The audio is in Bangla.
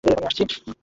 মেই-মেই, আমি আসছি।